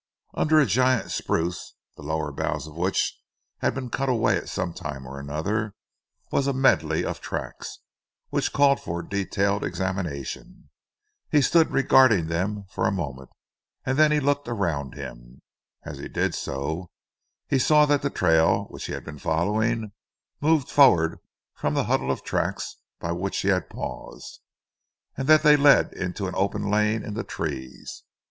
Under a giant spruce, the lower boughs of which had been cut away at some time or another, was a medley of tracks, which called for detailed examination. He stood regarding them for a moment, and then he looked around him. As he did so he saw that the trail, which he was following, moved forward from the huddle of tracks by which he had paused, and that they led into an open lane in the trees.